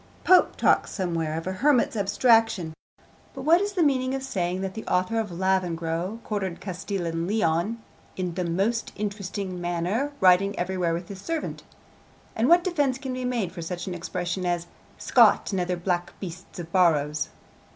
Pope talks somewhere of a hermit's 'abstraction,' but what is the meaning of saying that the author of Lavengro quartered Castile and Leon 'in the most interesting manner, riding everywhere with his servant'? And what defence can be made for such an expression as 'Scott, and other black beasts of Borrow's'?